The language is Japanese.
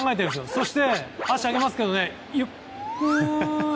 そして足を上げますけどゆっくり。